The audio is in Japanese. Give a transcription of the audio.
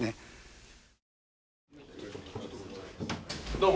どうも。